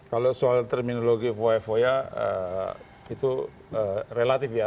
kalau soal terminologi foya foya itu relatif ya